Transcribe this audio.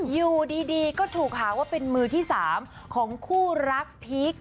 อยู่ดีก็ถูกหาว่าเป็นมือที่๓ของคู่รักพีค